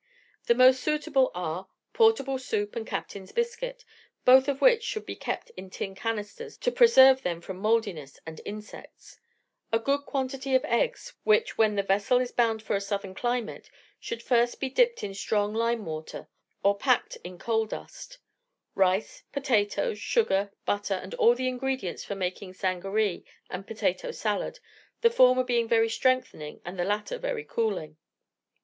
The most suitable are: portable soup and captain's biscuit both of which should be kept in tin canisters to preserve them from mouldiness and insects a good quantity of eggs, which, when the vessel is bound for a southern climate, should first be dipped in strong lime water or packed in coal dust; rice, potatoes, sugar, butter, and all the ingredients for making sangaree and potato salad, the former being very strengthening and the latter very cooling.